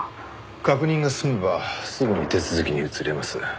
確認が済めばすぐに手続きに移れます。